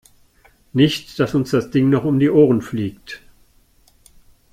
Nicht, dass uns das Ding noch um die Ohren fliegt.